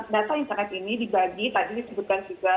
data internet ini dibagi tadi disebutkan juga